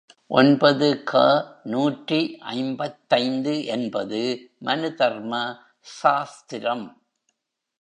ஒன்பது க நூற்றி ஐம்பத்தைந்து என்பது மனுதர்ம சாஸ்திரம்.